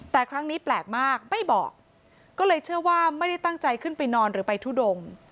แต่ครั้งนี้แปลกมากไม่บอกก็เลยเชื่อว่าไม่ได้ตั้งใจขึ้นไปนอนหรือไปทุดง